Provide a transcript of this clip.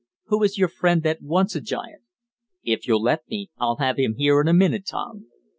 Who is your friend that wants a giant?" "If you'll let me, I'll have him here in a minute, Tom."